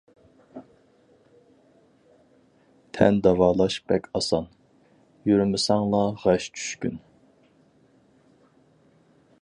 تەن داۋالاش بەك ئاسان، يۈرمىسەڭلا غەش چۈشكۈن.